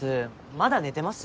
まだ寝てます？